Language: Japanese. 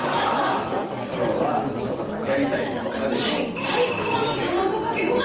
今日は翔子さんやりたいこと何でしょう？